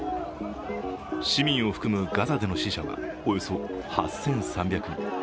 市民を含むガザでの死者はおよそ８３００人。